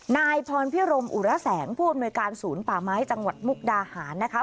นายพรพิรมอุระแสงผู้อำนวยการศูนย์ป่าไม้จังหวัดมุกดาหารนะคะ